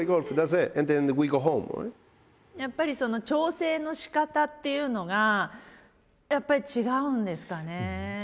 やっぱり調整のしかたっていうのがやっぱり違うんですかね？